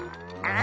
あ！